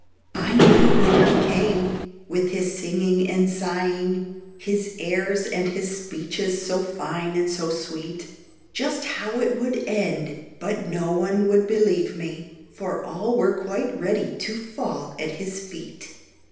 "I knew when he came, with his singing and sighing, His airs and his speeches so fine and so sweet, Just how it would end; but no one would believe me, For all were quite ready to fall at his feet."